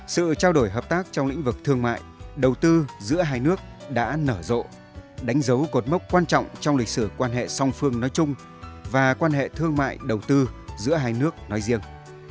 sự trao đổi hợp tác trong lĩnh vực thương mại đầu tư giữa hai nước đã nở rộ đánh dấu cột mốc quan trọng trong lịch sử quan hệ song phương nói chung và quan hệ thương mại đầu tư giữa hai nước nói riêng